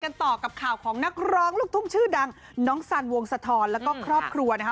ต่อกับข่าวของนักร้องลูกทุ่งชื่อดังน้องสันวงสะทอนแล้วก็ครอบครัวนะคะ